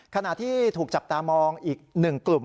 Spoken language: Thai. ขณะที่ถูกจับตามองอีก๑กลุ่ม